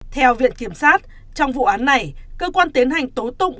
theo viện kiểm sát trong vụ án này cơ quan tiến hành tố tụng